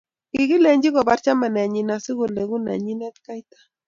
Kikilenchi kobar chamanenyin asikuleku nenyine kaita